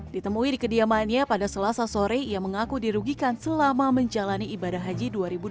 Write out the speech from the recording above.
ditemui di kediamannya pada selasa sore ia mengaku dirugikan selama menjalani ibadah haji dua ribu dua puluh